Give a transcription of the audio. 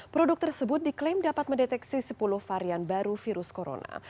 produk tersebut diklaim dapat mendeteksi sepuluh varian baru virus corona